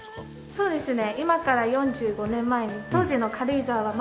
そうですね。